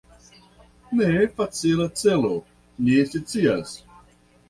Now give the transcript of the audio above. Ne facila celo, ni scias.